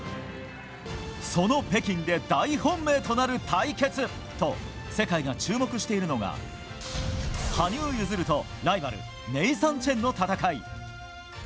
その北京で大本命となる対決と世界が注目しているのが羽生結弦と、ライバルネイサン・チェンの戦い。